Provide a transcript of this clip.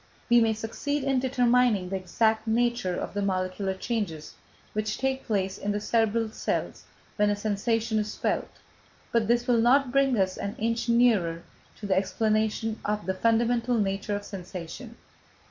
We may succeed in determining the exact nature of the molecular changes which take place in the cerebral cells when a sensation is felt, but this will not bring us an inch nearer to the explanation of the fundamental nature of sensation."